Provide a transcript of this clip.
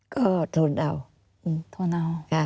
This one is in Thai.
ก็ทนเอาทนเอา